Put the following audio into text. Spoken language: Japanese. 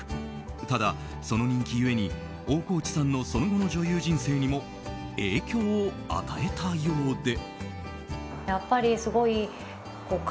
ただ、その人気ゆえに大河内さんのその後の女優人生にも影響を与えたようで。